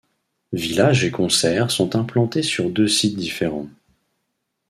Village et concerts sont implantés sur deux sites différents.